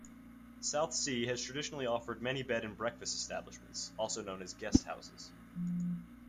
Southsea has traditionally offered many bed and breakfast establishments, also known as guest houses.